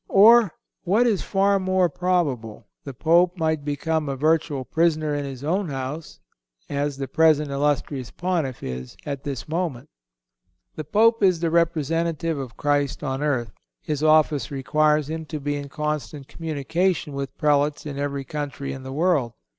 Or, what is far more probable, the Pope might become a virtual prisoner in his own house, as the present illustrious Pontiff is at this moment. The Pope is the representative of Christ on earth. His office requires him to be in constant communication with prelates in every country in the world.